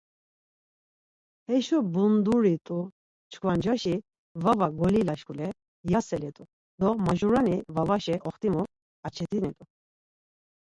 Heşo bunduri t̆u çkva ncaşi vava golila şkule yaselet̆u do majurani vavaşa oxtimu açetinet̆u.